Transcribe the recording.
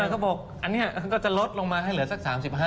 เขาบอกอันนี้ก็จะลดลงมาให้เหลือสัก๓๕